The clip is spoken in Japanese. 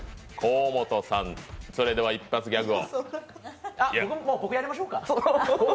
河本さん、それでは一発ギャグを。